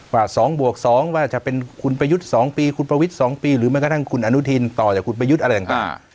ว่า๒บวก๒ว่าจะเป็นคุณประยุทธ์๒ปีคุณประวิทย์๒ปีหรือแม้กระทั่งคุณอนุทินต่อจากคุณประยุทธ์อะไรต่าง